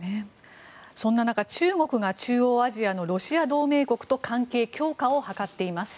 そんな中、中国が中央アジアのロシア同盟国と関係強化を図っています。